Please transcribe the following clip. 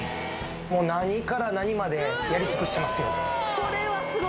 もう何から何までやり尽くしてますよ